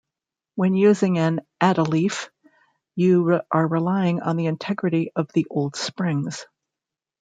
When using an add-a-leaf you are relying on the integrity of the old springs.